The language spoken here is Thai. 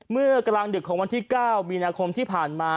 เมื่อกลางดึกของวันที่๙มีนาคมที่ผ่านมา